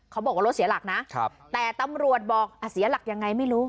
เขาบอกว่ารถเสียหลักนะแต่ตำรวจบอกเสียหลักยังไงไม่รู้